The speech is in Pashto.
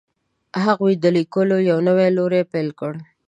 هغوی د لیکلو یو نوی لوری پیل کړ.